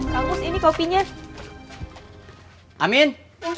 kamu untuk jemput